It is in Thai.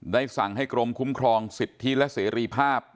สั่งให้กรมคุ้มครองสิทธิและเสรีภาพ